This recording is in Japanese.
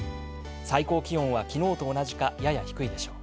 最高気温は、昨日と同じか、やや低いでしょう。